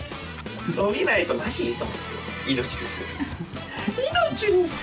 伸びないとマジ？と思って。